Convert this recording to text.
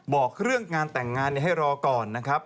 บอกเรื่องงานแต่งงานให้รอก่อนนะครับ